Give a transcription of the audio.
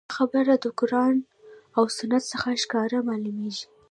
دا خبره د قران او سنت څخه ښکاره معلوميږي